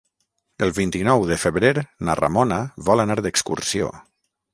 El vint-i-nou de febrer na Ramona vol anar d'excursió.